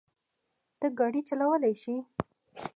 ته ګاډی چلولی شې؟